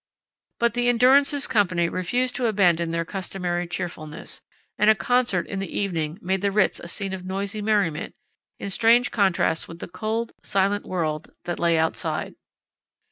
But the Endurance's company refused to abandon their customary cheerfulness, and a concert in the evening made the Ritz a scene of noisy merriment, in strange contrast with the cold, silent world that lay outside.